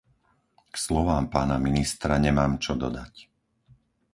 K slovám pána ministra nemám čo dodať.